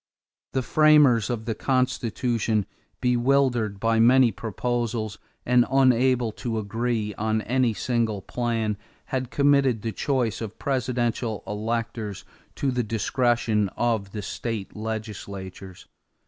The framers of the Constitution, bewildered by many proposals and unable to agree on any single plan, had committed the choice of presidential electors to the discretion of the state legislatures.